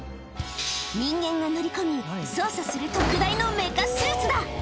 人間が乗り込み、操作する特大のメカスーツだ。